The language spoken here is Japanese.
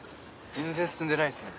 全然進んでないっすね。